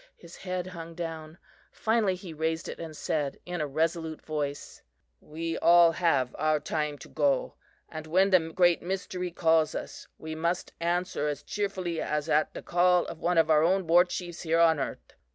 His head hung down. Finally he raised it and said in a resolute voice: "We all have our time to go, and when the Great Mystery calls us we must answer as cheerfully as at the call of one of our own war chiefs here on earth.